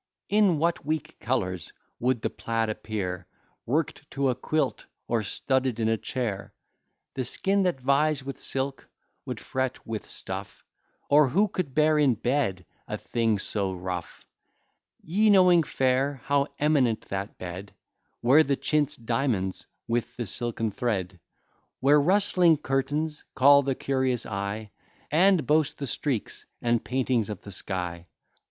In what weak colours would the plaid appear, Work'd to a quilt, or studded in a chair! The skin, that vies with silk, would fret with stuff; Or who could bear in bed a thing so rough? Ye knowing fair, how eminent that bed, Where the chintz diamonds with the silken thread, Where rustling curtains call the curious eye, And boast the streaks and paintings of the sky!